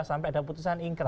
sampai ada putusan ingkran